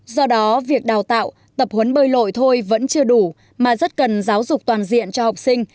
do đó việc đào tạo tập huấn bơi lội thôi vẫn chưa đủ mà rất cần giáo dục toàn diện cho học sinh